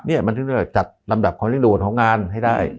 นี่มันซึ้งเสริมจัดลำดับความเริ่มโดดของงานให้ได้